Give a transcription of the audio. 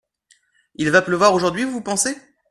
Il va pleuvoir aujourd’hui, vous pensez ?